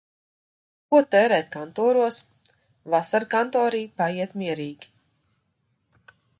Ko tērēt kantoros. Vasara kantorī paiet mierīgi.